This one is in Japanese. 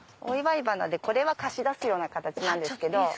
お祝い花でこれは貸し出すような形なんですけど。